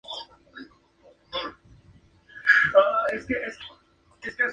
Desaparecen y vuelven a aparecer en el segundo coro.